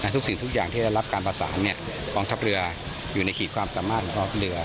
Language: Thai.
ทุกสิ่งทุกอย่างที่ได้รับการประสานกองทัพเรืออยู่ในขีดความสามารถของเรือ